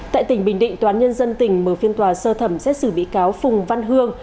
tại tỉnh bình định toán nhân dân tỉnh mở phiên tòa sơ thẩm xét xử vĩ cáo phùng văn hương